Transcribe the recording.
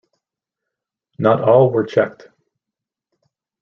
Not all were checked.